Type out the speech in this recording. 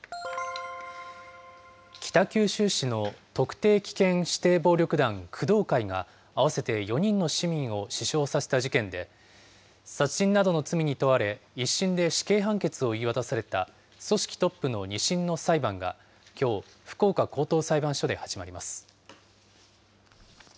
北九州市の特定危険指定暴力団、工藤会が、合わせて４人の市民を死傷させた事件で、殺人などの罪に問われ、１審で死刑判決を言い渡された組織トップの２審の裁判がきょう、福岡高等裁判所で始まります。